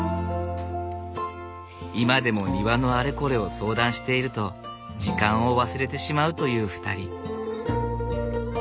今でも庭のあれこれを相談していると時間を忘れてしまうという２人。